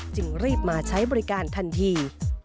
จึงรีบมาใช้บริการทันที